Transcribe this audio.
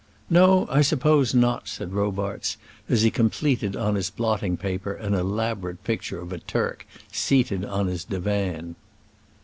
"No; I suppose not," said Robarts, as he completed on his blotting paper an elaborate picture of a Turk seated on his divan.